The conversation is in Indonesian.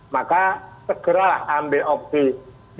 maka segeralah ambil opsi